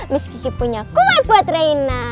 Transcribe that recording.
miss kiki punya kue buat reina